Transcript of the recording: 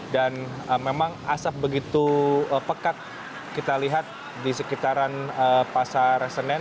memang asap begitu pekat kita lihat di sekitaran pasar senen